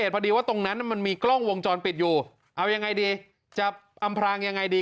พอดีว่าตรงนั้นมันมีกล้องวงจรปิดอยู่เอายังไงดีจะอำพรางยังไงดี